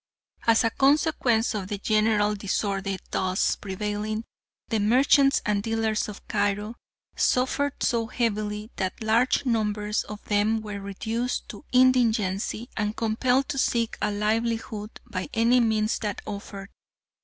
As a consequence of the general disorder thus prevailing, the merchants and dealers of Cairo suffered so heavily that large numbers of them were reduced to indigency and compelled to seek a livelihood by any means that offered.